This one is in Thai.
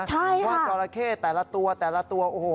ใช่ค่ะว่าจอระเข้ตัวแต่ละตัวแต่ละตัวโอ้โห